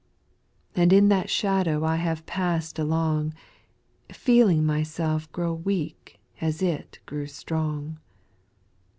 . 2. And in that shadow I have pass'd along. Feeling myself grow weak as it grew strong.